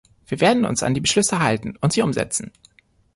Wir werden uns an die Beschlüsse halten und sie umsetzen.